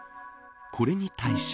これに対し。